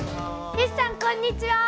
よしさんこんにちは。